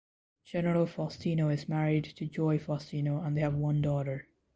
General Faustino is married to Joy Faustino and they have one daughter.